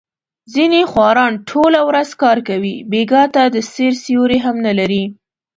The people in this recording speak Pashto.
ځنې خواران ټوله ورځ کار کوي، بېګاه ته د سیر سیوری هم نه لري.